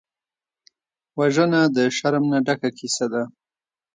وژنه د شرم نه ډکه کیسه ده